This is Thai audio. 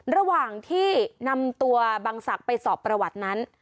ระหว่างที่นำตัวบังศักดิ์ไปสอบประวัตินั้น